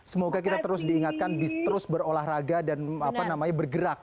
semoga kita terus diingatkan terus berolahraga dan bergerak